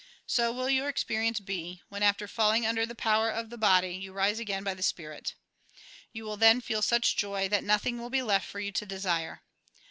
So will your experience be, when, after falling under the power of the body, you rise again by the spirit You will then feel such joy, that nothing will be left for you to desire.